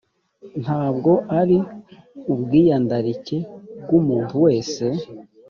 ntabwo ari ubwiyandarike bw’umuntu wese